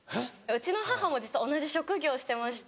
うちの母も実は同じ職業をしてまして。